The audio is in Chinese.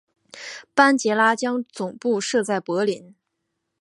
班杰拉将总部设在柏林。